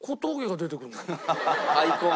アイコン？